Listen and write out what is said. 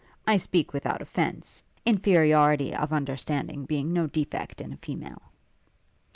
I speak without offence, inferiority of understanding being no defect in a female.'